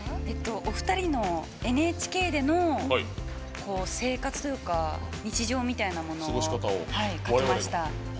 お二人のＮＨＫでの生活というか日常みたいなものを描きました。